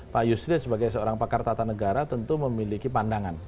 pak yusril sebagai seorang pakar tata negara tentu memiliki pandangan